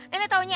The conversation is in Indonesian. nenek tahu nyai